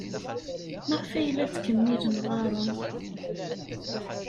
Maɣef ay la ttkemmilen ɣɣaren?